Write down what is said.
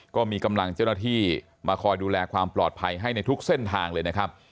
ก็มีกำลังเจ้าหน้าที่มาคอยดูแลความปลอดภัยให้ในทุกเส้นทางเลยนะครับ